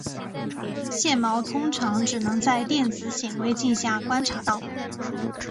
线毛通常只能在电子显微镜下观察到。